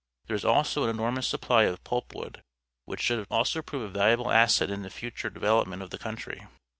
There is also an enormous supply of p ulp woo d, which should also prove a valuable asset in the future development of the country.